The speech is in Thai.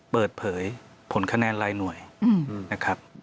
เปิดเผยผลคะแนนรายหน่วยนะครับ